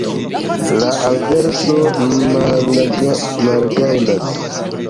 La averso malgajnas.